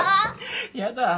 やだ